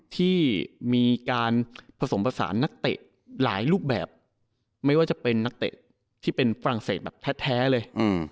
ที่มีการผสมผสานนักเตะหลายรูปแบบไม่ว่าจะเป็นนักเตะที่เป็นฝรั่งเศสแบบแท้เลย